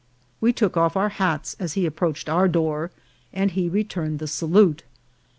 We took off our hats as he approached our door, and he returned the sa lute.